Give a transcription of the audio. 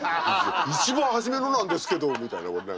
一番初めのなんですけどみたいな。